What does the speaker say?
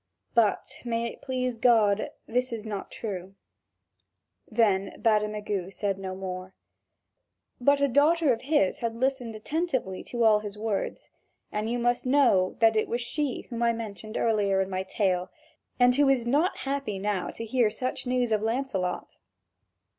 But, may it please God, this is not true." Then Bademagu said no more; but a daughter of his had listened attentively to all his words, and you must know that it was she whom I mentioned earlier in my tale, and who is not happy now to hear such news of Lancelot.